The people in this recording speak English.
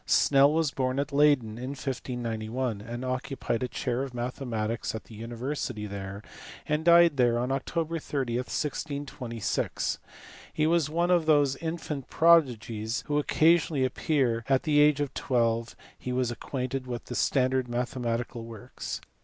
Snell was born at Leydeii in 1591, occupied a chair of mathematics at the university there, and died there on Oct. 30, 1626. He was one of those infant prodigies who occasionally appear, and at the age of twelve he was acquainted with the standard mathematical works.